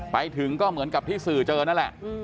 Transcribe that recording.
ไปถึงก็เหมือนกับที่สื่อเจอนั่นแหละ